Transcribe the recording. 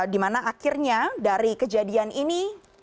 dimana akhirnya dari kejadian ini